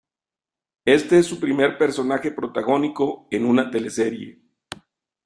Este es su primer personaje protagónico en una teleserie.